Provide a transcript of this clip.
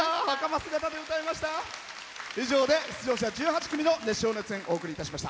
以上で出場者１８組の熱唱・熱演お送りいたしました。